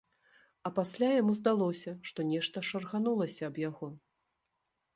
А пасля яму здалося, што нешта шарганулася аб яго.